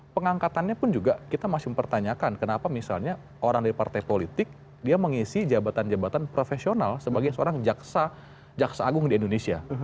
pengangkatannya pun juga kita masih mempertanyakan kenapa misalnya orang dari partai politik dia mengisi jabatan jabatan profesional sebagai seorang jaksa agung di indonesia